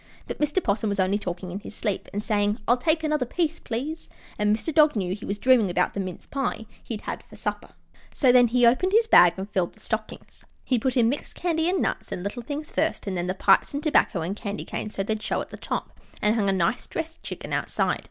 But Mr. 'Possum was only talking in his sleep, and saying, "I'll take another piece, please," and Mr. Dog knew he was dreaming about the mince pie he'd had for supper. So, then he opened his bag and filled the stockings. He put in mixed candy and nuts and little things first, and then the pipes and tobacco and candy canes, so they'd show at the top, and hung a nice dressed chicken outside.